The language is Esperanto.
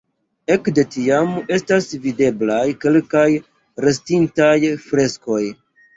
Ekde tiam estas videblaj kelkaj restintaj freskoj.